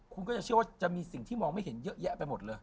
คุณก็จะเชื่อว่าจะมีสิ่งที่มองไม่เห็นเยอะแยะไปหมดเลย